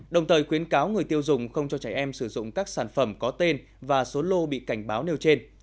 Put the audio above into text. đồng thời khuyến cáo người tiêu dùng không cho trẻ em sử dụng các sản phẩm có tên và số lô bị cảnh báo nêu trên